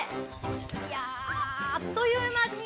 あっという間に。